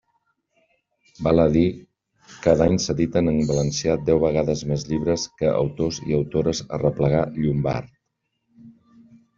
Val a dir, cada any s'editen en valencià deu vegades més llibres que autors i autores arreplegà Llombart.